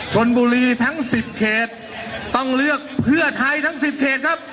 ชนบุรีทั้ง๑๐เขตต้องเลือกเพื่อไทยทั้ง๑๐เขตครับ